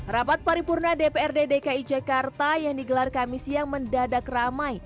rapat paripurna dprd dki jakarta yang digelar kami siang mendadak ramai